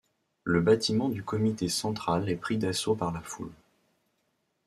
Le bâtiment du comité central est pris d'assaut par la foule.